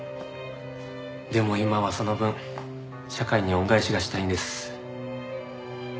でも今はその分社会に恩返しがしたいんです。